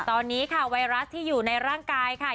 ตอนนี้ค่ะไวรัสที่อยู่ในร่างกายค่ะ